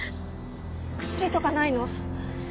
薬とかないの！？